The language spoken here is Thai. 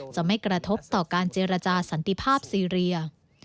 จะไม่กระทบต่อการเจรจาสันติภาพซีเรีย